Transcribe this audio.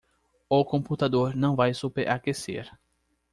O computador não vai superaquecer